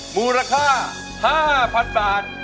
มูลค่า๕๐๐๐บาท